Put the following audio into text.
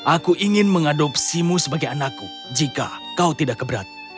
aku ingin mengadopsimu sebagai anakku jika kau tidak keberatan